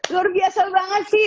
luar biasa banget sih